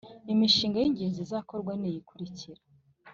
Imishinga y ingenzi izakorwa ni iyi ikurikira